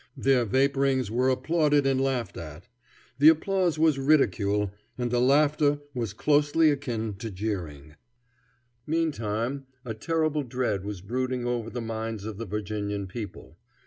Their vaporings were applauded and laughed at. The applause was ridicule, and the laughter was closely akin to jeering. Meantime a terrible dread was brooding over the minds of the Virginian people.